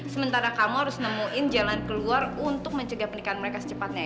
sementara kamu harus nemuin jalan keluar untuk mencegah penikahan mereka secepatnya ya kan